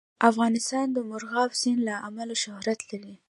افغانستان د مورغاب سیند له امله شهرت لري.